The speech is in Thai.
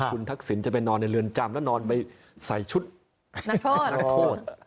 คุณทักษิณจะไปนอนในเรือนจำแล้วนอนไปใส่ชุดนักโทษนักโทษ